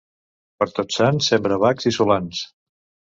Per Tots Sants sembra bacs i solans.